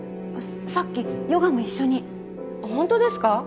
さっきヨガも一緒にホントですか？